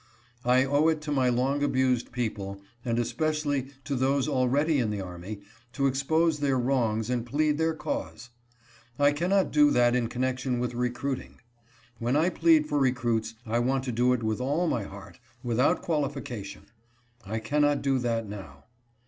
I owe it to my long abused people, and especially to those already in the army, to expose their wrongs and plead their cause. I cannot do that in connection with recruiting. When I plead for recruits I want to do it with all my heart, without qualification. I cannot do that now.